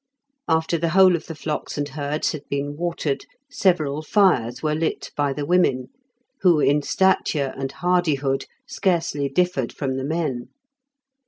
After the whole of the flocks and herds had been watered several fires were lit by the women, who in stature and hardihood scarcely differed from the men.